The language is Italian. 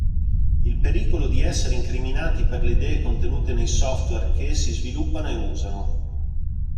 Il pericolo di essere incriminati per le idee contenute nei software che essi sviluppano e usano.